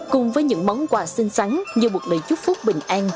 cùng với những món quà xinh xắn như một lời chúc phúc bình an